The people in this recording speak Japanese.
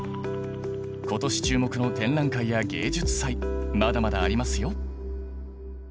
今年注目の展覧会や芸術祭まだまだありますよ。